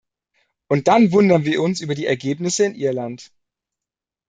Und dann wundern wir uns über die Ergebnisse in Irland!